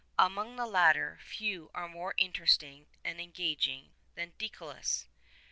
Among the latter few are more interesting and engaging than Deicolus.